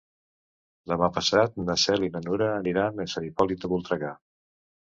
Demà passat na Cel i na Nura aniran a Sant Hipòlit de Voltregà.